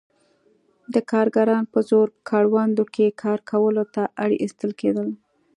دا کارګران په زور کروندو کې کار کولو ته اړ ایستل کېدل.